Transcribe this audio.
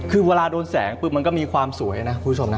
คือเวลาโดนแสงปุ๊บมันก็มีความสวยนะคุณผู้ชมนะ